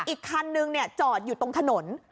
อีกคันนึงจอดอยู่ตรงถนน